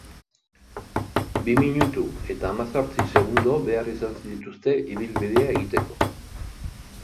Bi minutu eta hamazortzi segundo behar izan dituzte ibilbidea egiteko.